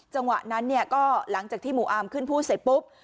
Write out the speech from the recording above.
จังหวะนั้นเนี่ยก็หลังจากที่หมู่อาร์มขึ้นพูดเสร็จปุ๊บ